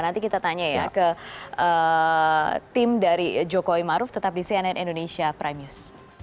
nanti kita tanya ya ke tim dari jokowi maruf tetap di cnn indonesia prime news